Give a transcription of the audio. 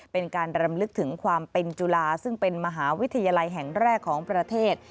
เป็นการรำลึกถึงความเป็นจุฬาซึ่งเป็นมหาวิทยาลัยแห่งแรกของประเทศ